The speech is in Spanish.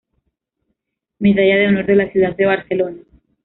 Medalla de Honor de la Ciudad de Barcelona